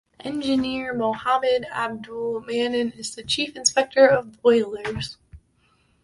Engineer Mohammad Abdul Mannan is the Chief Inspector Of Boilers.